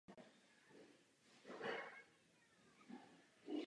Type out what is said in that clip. Noty ji naučil její strýc.